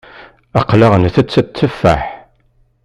Aql-aɣ ntett tteffaḥ.